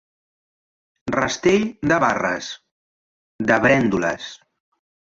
Rastell de barres, de brèndoles.